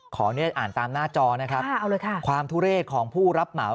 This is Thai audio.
ขออนุญาตอ่านตามหน้าจอนะครับความทุเรศของผู้รับเหมา